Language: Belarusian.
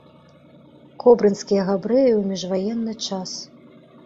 Кобрынскія габрэі ў міжваенны час.